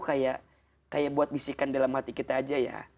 kayak buat bisikan dalam hati kita aja ya